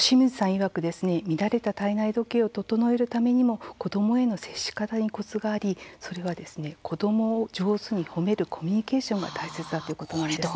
いわく乱れた体内時計を整えるためにも子どもへの接し方にコツがありそれは子どもを上手に褒めるコミュニケーションが大切だということなんです。